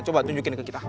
coba tunjukin ke kita